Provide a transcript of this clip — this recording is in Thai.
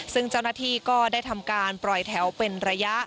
ซึ่งเจ้าหน้าที่ก็ได้ทำการปล่อยแถวเป็นระยะ